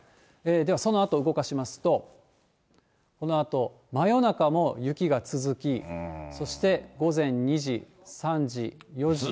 では、そのあと動かしますと、このあと真夜中も雪が続き、そして午前２時、３時、４時。